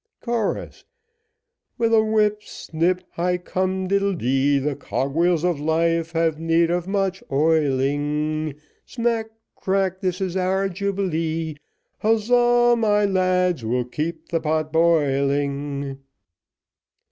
Chorus. With a whip, snip, high cum diddledy, The cog wheels of life have need of much oiling; Smack, crack this is our jubilee; Huzza, my lads! we'll keep the pot boiling.